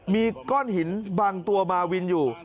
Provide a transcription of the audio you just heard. มีก้อนหินบางตัวมาวินอยู่